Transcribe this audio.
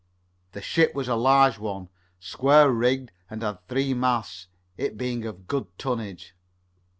The ship was a large one, square rigged, and had three masts, it being of good tonnage.